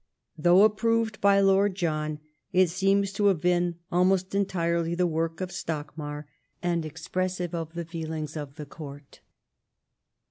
Though approved by Lord Johu, it seems to have been almost entirely the work of Stockmar, and expressive of the feelings of the Court.